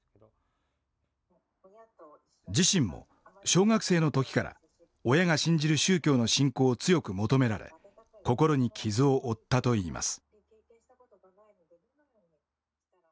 自身も小学生の時から親が信じる宗教の信仰を強く求められ心に傷を負ったといいます。